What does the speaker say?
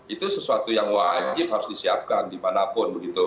itu sesuatu yang wajib harus disiapkan dimanapun begitu